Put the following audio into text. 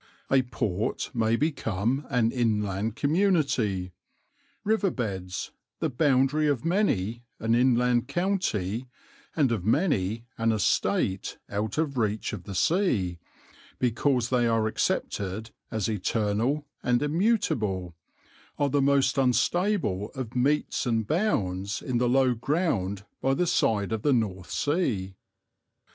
A port may become an inland community. River beds, the boundary of many an inland county and of many an estate out of reach of the sea, because they are accepted as eternal and immutable, are the most unstable of metes and bounds in the low ground by the side of the North Sea.